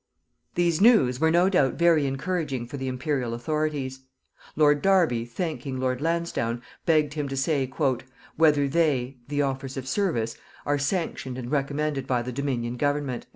These news were no doubt very encouraging for the Imperial authorities. Lord Derby, thanking Lord Lansdowne, begged him to say "Whether they (the offers of service) are sanctioned and recommended by the Dominion Government."